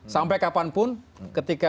sampai kapanpun ketika